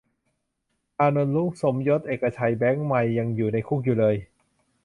"อานนท์ รุ้ง สมยศ เอกชัย แบงค์ ไมค์ ยังอยู่ในคุกอยู่เลย"